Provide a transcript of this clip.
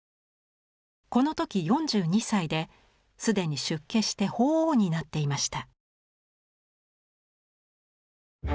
この時４２歳で既に出家して法皇になっていました。